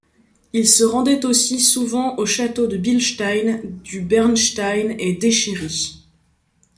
Il se rendait aussi souvent au Château de Bilstein, du Bernstein et d'Échéry.